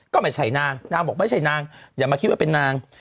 ก็ไม่ใช่นางนางบอกไม่ใช่นางอย่ามาคิดว่าเป็นนาง